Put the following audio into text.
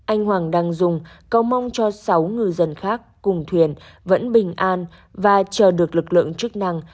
anh hoàng đăng dung cầu mong cho sáu ngư dân khác cùng thuyền vẫn bình an và chờ được lực lượng chức năng